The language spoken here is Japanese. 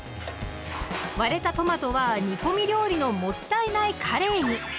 割れたトマトは煮込み料理の「もったいないカレー」に！